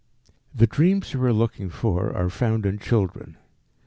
The dreams we are looking for are found in children.